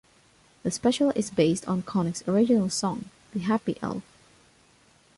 The special is based on Connick's original song, "The Happy Elf".